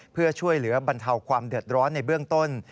เพื่อช่วยเหลือบรรเทาความเดือดร้อนในเบื้องต้น